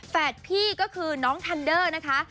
พี่ก็คือน้องทันเดอร์นะคะ